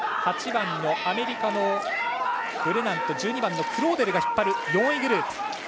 ８番のアメリカのブレナンと１２番のクローデルが引っ張る４位グループ。